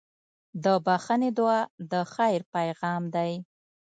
د بښنې دعا د خیر پیغام دی.